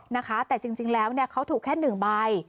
นะคะแต่จริงแล้วเนี่ยเขาถูกแค่๑ใบ